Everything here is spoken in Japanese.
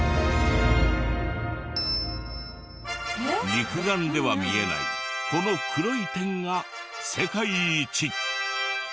肉眼では見えないこの黒い点が世界一。